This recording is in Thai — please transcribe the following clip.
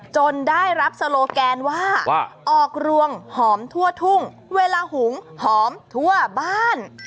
ได้รับโซโลแกนว่าออกรวงหอมทั่วทุ่งเวลาหุงหอมทั่วบ้าน